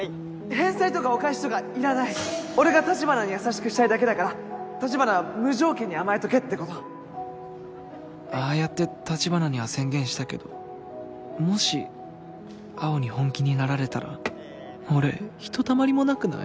返済とかお返しとかいらない俺が橘に優しくしたいだけだから橘は無条件に甘えとけってことああやって橘には宣言したけどもし青に本気になられたら俺ひとたまりもなくない？